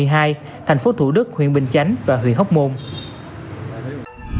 các ca dương tính được xác định tại các khu vực tại huyện bình chánh quận tân phú huyện hóc môn đang điều tra dịch tễ